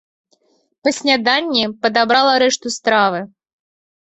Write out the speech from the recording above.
Па сняданні падабрала рэшту стравы.